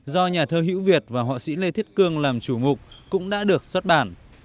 do nhà thơ hữu việt và họa sĩ lê thiết cương làm chủ ngục cũng đã được xuất bản